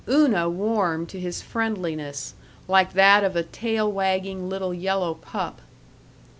Una warmed to his friendliness, like that of a tail wagging little yellow pup.